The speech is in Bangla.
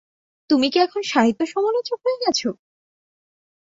তুমি কি এখন সাহিত্য সমালোচক হয়ে গেছ?